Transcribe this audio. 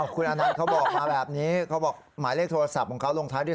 คุณอนันต์เขาบอกมาแบบนี้เขาบอกหมายเลขโทรศัพท์ของเขาลงท้ายด้วย